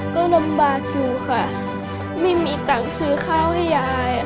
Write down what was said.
ก็ลำบากอยู่ค่ะไม่มีตังค์ซื้อข้าวให้ยาย